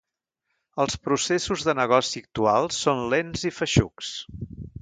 Els processos de negoci actuals són lents i feixucs.